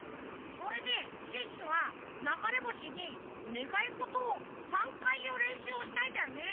それでシュッシュはながれぼしにねがいごとを３かいいうれんしゅうをしたいんだよね。